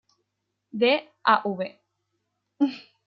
De Av.